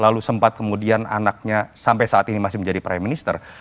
lalu sempat kemudian anaknya sampai saat ini masih menjadi prime minister